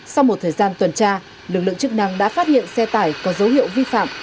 sau một thời gian tuần tra lực lượng chức năng đã phát hiện xe tải có dấu hiệu vi phạm